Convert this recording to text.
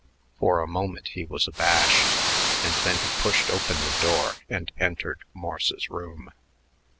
For a moment he was abashed, and then he pushed open the door and entered Morse's room.